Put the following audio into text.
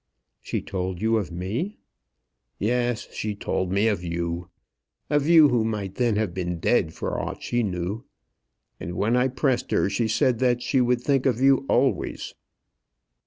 "She told you of me?" "Yes; she told me of you of you who might then have been dead, for aught she knew. And when I pressed her, she said that she would think of you always."